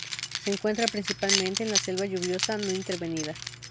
Se encuentra principalmente en la selva lluviosa no intervenida.